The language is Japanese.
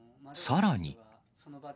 さらに。